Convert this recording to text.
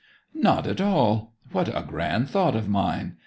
'Not at all. What a grand thought of mine!